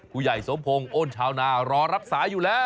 ผู้ใหญ่สมพงศ์อ้นชาวนารอรับสายอยู่แล้ว